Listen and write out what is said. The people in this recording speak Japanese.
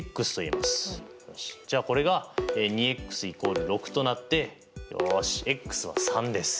よしじゃあこれが２ｘ＝６となってよしｘは３です。